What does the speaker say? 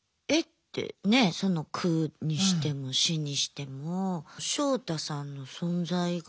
ってねその区にしても市にしてもショウタさんの存在が。